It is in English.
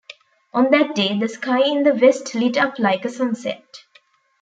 On that day, the sky in the west lit up like a sunset.